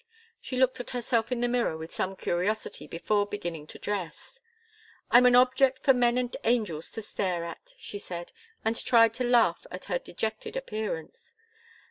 She looked at herself in the mirror with some curiosity, before beginning to dress. "I'm an object for men and angels to stare at!" she said, and tried to laugh at her dejected appearance.